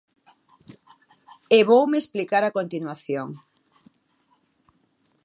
E voume explicar a continuación.